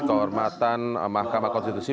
kehormatan mahkamah konstitusi